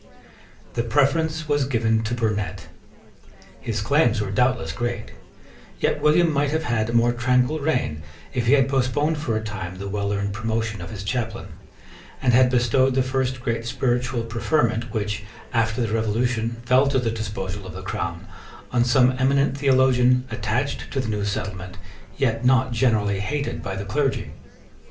The preference was given to Burnet. His claims were doubtless great. Yet William might have had a more tranquil reign if he had postponed for a time the well earned promotion of his chaplain, and had bestowed the first great spiritual preferment, which, after the Revolution, fell to the disposal of the Crown, on some eminent theologian, attached to the new settlement, yet not generally hated by the clergy.